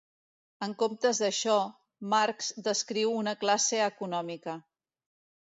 En comptes d'això, Marx descriu una classe econòmica.